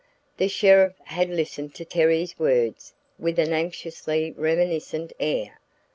The sheriff had listened to Terry's words with an anxiously reminiscent air.